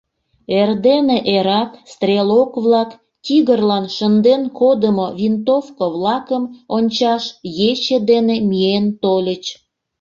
Эрдене эрак стрелок-влак тигрлан шынден кодымо винтовко-влакым ончаш ече дене миен тольыч.